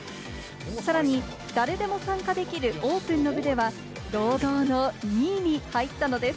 さらに誰でも参加できるオープンの部では堂々の２位に入ったのです。